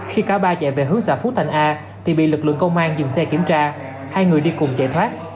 khi cả ba chạy về hướng xã phú thành a thì bị lực lượng công an dừng xe kiểm tra hai người đi cùng chạy thoát